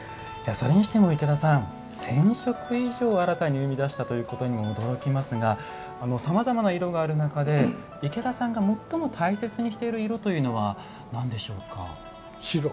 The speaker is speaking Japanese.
それにしても池田さん１，０００色以上新たに生み出したということにも驚きますがさまざまな色がある中で池田さんが最も大切にしている色というのは何でしょうか？